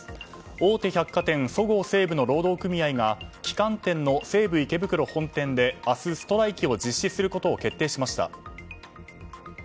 大手百貨店そごう・西武の労働組合が旗艦店の西武池袋本店で明日ストライキを実施することを決定しました。